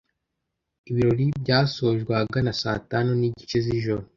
Ibirori byasojwe ahagana saa tanu n’igice z’ijoro